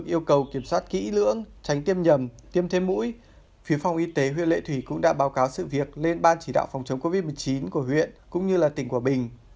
tiêm thêm mũi phía phòng y tế huyện lệ thủy cũng đã báo cáo sự việc lên ban chỉ đạo phòng chống covid một mươi chín của huyện cũng như là tỉnh quảng bình